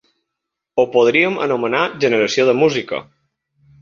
Ho podríem anomenar generació de música.